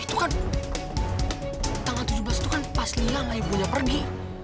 itu kan tanggal tujuh belas itu kan pas liya sama ibu dia pergi